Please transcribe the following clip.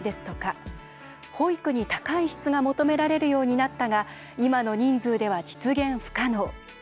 保育に、高い質が求められるようになったが今の人数では実現不可能。